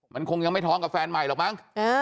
มันคงยังไม่ท้องกับแฟนใหม่หรอกมั้ง